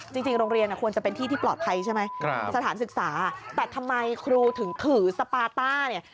จริงโรงเรียนควรจะเป็นที่ที่ปลอดภัยใช่ไหมสถานศึกษาแต่ทำไมครูถึงถือสปาต้าเนี่ย